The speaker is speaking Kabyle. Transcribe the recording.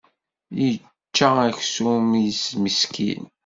Yečča aksum-is meskin.